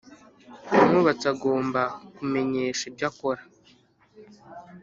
umwubatsi agomba kumenyesha ibyo akora